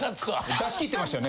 出しきってましたよね？